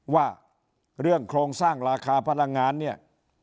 ว่าเรื่องโครงสร้างราคาพลังงานเนี่ย